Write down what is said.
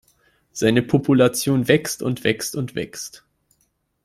Seine Population wächst und wächst und wächst.